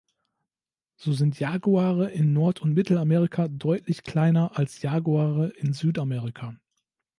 So sind Jaguare in Nord- und Mittelamerika deutlich kleiner als Jaguare in Südamerika.